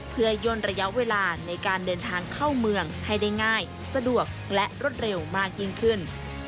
เพื่อย่นระยะเวลาในการเดินทางเข้าเมืองให้ได้ง่ายสะดวกและรวดเร็วมากยิ่งขึ้น